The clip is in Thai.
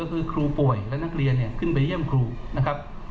ก็คือครูป่วยและนักเรียนเนี่ยขึ้นไปเยี่ยมครูนะครับ